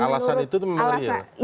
alasan itu memang real